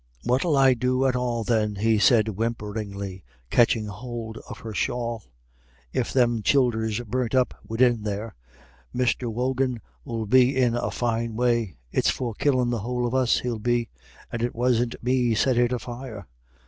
"What 'ill I do at all, then?" he said, whimperingly, catching hold of her shawl. "If them childer's burnt up widin there, Mr. Wogan 'ill be in a fine way. It's for killin' the whole of us he'll be. And it wasn't me set it afire.